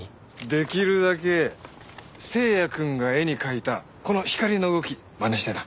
できるだけ星也くんが絵に描いたこの光の動きまねしてな。